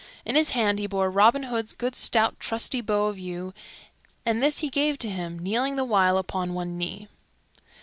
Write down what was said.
In his hand he bore Robin Hood's good stout trusty bow of yew, and this he gave to him, kneeling the while upon one knee.